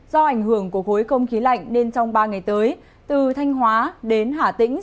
do ảnh hưởng của cối không khí lạnh nên trong ba ngày tới từ thanh hóa đến hả tĩnh